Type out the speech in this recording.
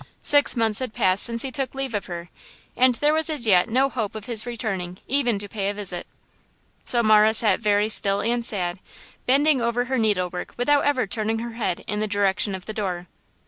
Six months had passed since he took leave of her, and there was as yet no hope of his returning even to pay a visit. So Marah sat very still and sad, bending over her needlework without ever turning her head in the direction of the door.